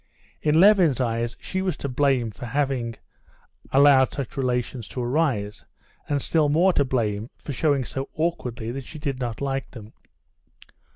In Levin's eyes she was to blame for having allowed such relations to arise, and still more to blame for showing so awkwardly that she did not like them.